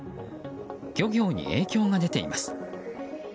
漁業に影響が出ています。